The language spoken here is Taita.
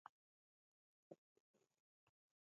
Damkua ukifunya mbori angu mundu wa womi wake wolwala.